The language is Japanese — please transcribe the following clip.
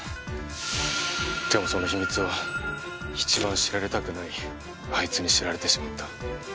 でもその秘密を一番知られたくないあいつに知られてしまった。